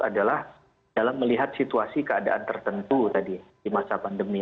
adalah dalam melihat situasi keadaan tertentu tadi di masa pandemi